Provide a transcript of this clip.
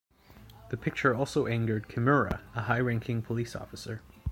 The picture also angered Kimura, a high-ranking police officer.